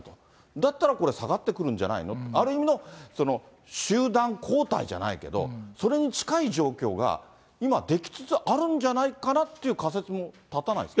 だったらこれ、下がってくるんじゃないの、ある意味の集団抗体じゃないけど、それに近い状況が、今出来つつあるんじゃないかなっていう仮説もたたないですか。